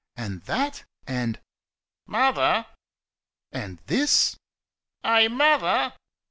"And that an' " "Mother!" "And this " "Eh, Mother?"